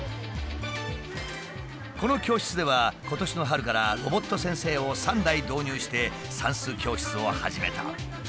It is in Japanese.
この教室では今年の春からロボット先生を３台導入して算数教室を始めた。